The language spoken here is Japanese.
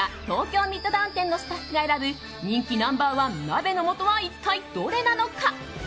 東京ミッドタウン店のスタッフが選ぶ人気ナンバー１鍋の素は一体どれなのか。